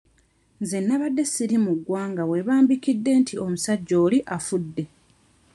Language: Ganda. Nze nnabadde siri mu ggwanga we baabikidde nti omusajja oli afudde.